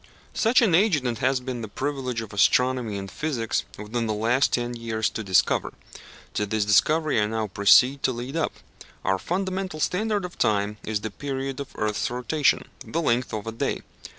Such an agent it has been the privilege of astronomy and physics, within the last ten years, to discover. To this discovery I now proceed to lead up. Our fundamental standard of time is the period of the earth's rotation the length of the day.